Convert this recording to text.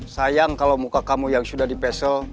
sayang kalau muka kamu yang sudah di pesel